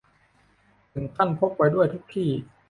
ถึงขั้นพกไปด้วยทุกที่